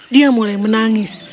dia mulai menangis